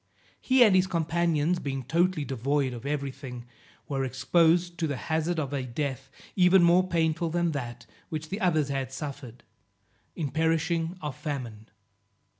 He and his companions being totally devoid of every thing, were exposed to the hazard of a death even more painful than that which the others had suffered, in perishing of famine.